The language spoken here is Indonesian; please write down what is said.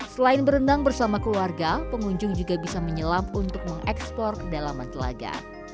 selain berenang bersama keluarga pengunjung juga bisa menyelam untuk mengekspor kedalaman telaga